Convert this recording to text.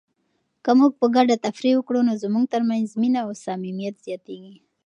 که موږ په ګډه تفریح وکړو نو زموږ ترمنځ مینه او صمیمیت زیاتیږي.